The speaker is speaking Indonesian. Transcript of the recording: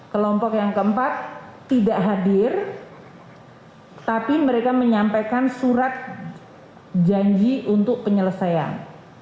kelompok yang keempat tidak hadir tapi mereka menyampaikan surat janji untuk penyelesaian